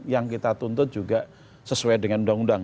yang kita tuntut juga sesuai dengan undang undang